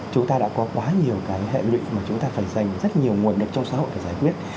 chúng ta đã có quá nhiều cái hệ lụy mà chúng ta phải dành rất nhiều nguồn lực trong xã hội để giải quyết